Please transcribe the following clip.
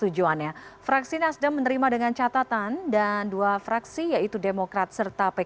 menerima dengan catatan dan dua fraksi yaitu demokrat serta pks menerima dengan catatan dan dua fraksi yaitu demokrat serta pks menerima dengan catatan